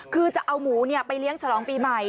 คือจะเอาหมูไปเลี้ยงฉลองปีใหม่